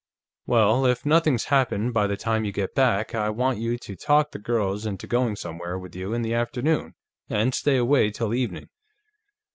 "Well, if nothing's happened by the time you get back, I want you to talk the girls into going somewhere with you in the afternoon, and stay away till evening.